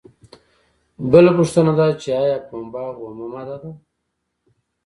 بله پوښتنه دا ده چې ایا پنبه اومه ماده ده؟